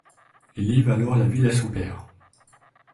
Il livre alors la ville à son père.